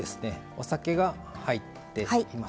お酒が入っています。